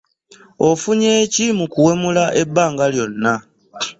Ofunye ki mu kuwemula ebbanga lyonna?